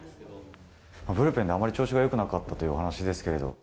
ブルペンであまり調子がよくなかったというお話ですけれど。